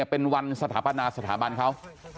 เป็นวันสถาปนาสถาบันเขา